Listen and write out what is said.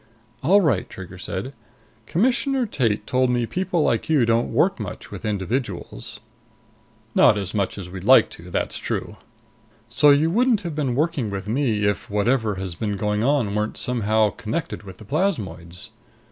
"All right," Trigger said. "Commissioner Tate told me people like you don't work much with individuals." "Not as much as we'd like to. That's true." "So you wouldn't have been working with me if whatever has been going on weren't somehow connected with the plasmoids."